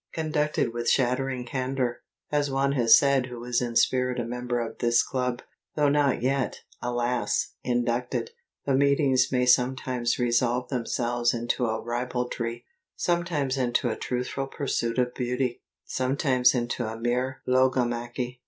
Conducted with "shattering candour" (as one has said who is in spirit a member of this Club, though not yet, alas, inducted), the meetings may sometimes resolve themselves into a ribaldry, sometimes into a truthful pursuit of Beauty, sometimes into a mere logomachy.